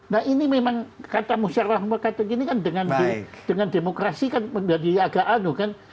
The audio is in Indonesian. nah ini memang kata musyarakat begini kan dengan demokrasi kan agak anu kan